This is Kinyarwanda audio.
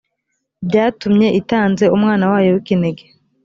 byatumye itanze umwana wayo w’ikinege